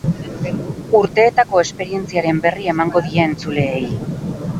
Urteetako esperientziaren berri emango die entzuleei.